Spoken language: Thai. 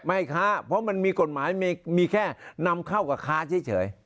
ค้าเพราะมันมีกฎหมายมีแค่นำเข้ากับค้าเฉย